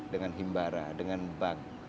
dengan himbara dengan bank